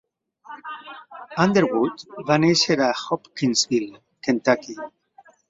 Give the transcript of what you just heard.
Underwood va néixer a Hopkinsville, Kentucky.